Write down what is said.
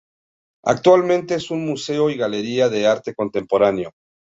Actualmente es un museo y galería de arte contemporáneo.